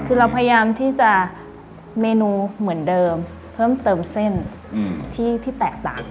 คือเราพยายามที่จะเมนูเหมือนเดิมเพิ่มเติมเส้นที่แตกต่าง